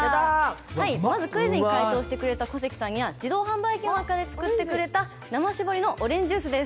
まずクイズに回答してくれた小関さんには、自動販売機が作ってくれた生搾りのオレンジジュースです。